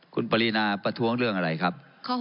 คุณปรินาประท้วงเรื่องอะไรครับ